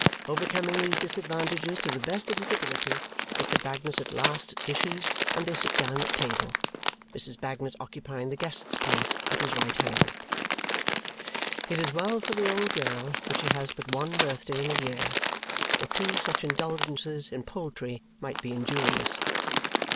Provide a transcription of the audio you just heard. Overcoming these disadvantages to the best of his ability, Mr. Bagnet at last dishes and they sit down at table, Mrs. Bagnet occupying the guest's place at his right hand. It is well for the old girl that she has but one birthday in a year, for two such indulgences in poultry might be injurious.